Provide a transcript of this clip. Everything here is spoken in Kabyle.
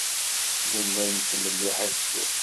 Nella nettmelliḥ aksum.